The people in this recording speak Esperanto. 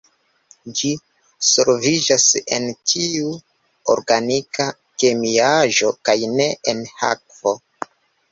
Ĝi solviĝas en ĉiu organika kemiaĵo kaj ne en akvo.